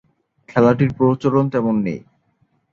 খেলাটির প্রচলন তেমন নেই।